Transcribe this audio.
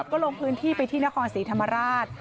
ก็ลงพื้นที่ไปที่นครศรีธรรมราช